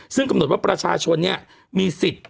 ซึ่งกำหนดว่าคนมีสิทธิ์